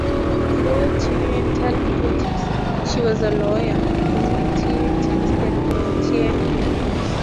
Prior to entering politics, she was a lawyer, community activist and volunteer.